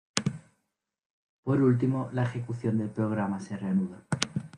Por último la ejecución del programa se reanuda.